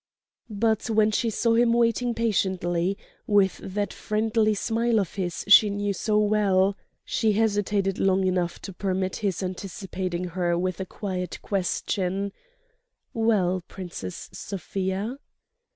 But when she saw him waiting patiently, with that friendly smile of his she knew so well, she hesitated long enough to permit his anticipating her with a quiet question: "Well, Princess Sofia?"